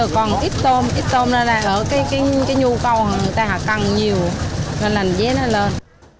còn ít tôm ít tôm là ở cái nhu cầu người ta càng nhiều nên lành dế nó lên